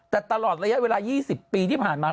แต่ตลอดระยะเวลา๒๐ปีที่ผ่านมา